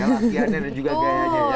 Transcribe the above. laki lakiannya dan juga gayanya